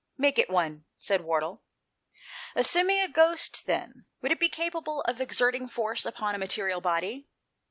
" Make it one," said Wardle. "Assuming a ghost, then, would it be capable of exerting force upon a material body?